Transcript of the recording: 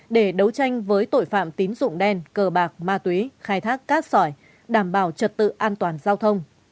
để đấu tranh với tội phạm tín dụng đen cờ bạc ma túy khai thác cát sỏi đảm bảo trật tự an toàn giao thông